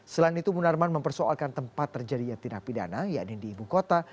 selain itu munarman mempersoalkan tempat terjadi yatirah pidana yaitu di ibu kota